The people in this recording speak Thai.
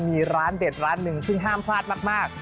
มีร้านเด็ดร้านหนึ่งซึ่งห้ามพลาดมาก